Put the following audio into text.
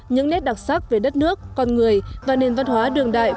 những nét đặc sắc về đất nước con người và nền văn hóa đường đại